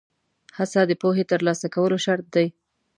هڅه د پوهې ترلاسه کولو شرط دی.